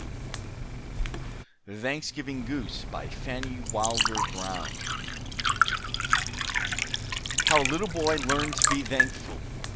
THE THANKSGIVING GOOSE BY FANNIE WILDER BROWN. How a little boy learned to be thankful.